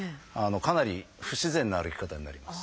かなり不自然な歩き方になります。